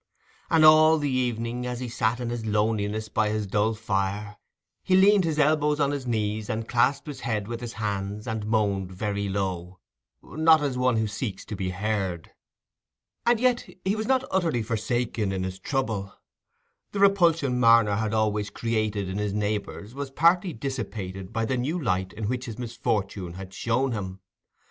And all the evening, as he sat in his loneliness by his dull fire, he leaned his elbows on his knees, and clasped his head with his hands, and moaned very low—not as one who seeks to be heard. And yet he was not utterly forsaken in his trouble. The repulsion Marner had always created in his neighbours was partly dissipated by the new light in which this misfortune had shown him.